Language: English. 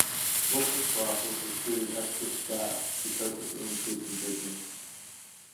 Local brothels recruited extra staff to cope with the increase in business.